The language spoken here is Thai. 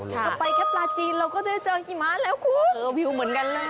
ก็ไปแค่ปลาจีนเราก็ได้เจอหิมะแล้วคู่